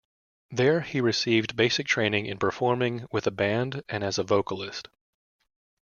There, he received basic training in performing with a band and as a vocalist.